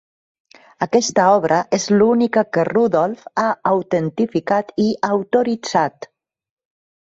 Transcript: Aquesta obra és l'única que Rudolf ha autentificat i autoritzat.